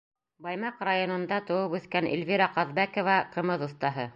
Баймаҡ районында тыуып үҫкән Ильвира Ҡаҙбәкова — ҡымыҙ оҫтаһы.